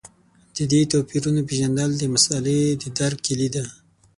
د دې توپیرونو پېژندل د مسألې د درک کیلي ده.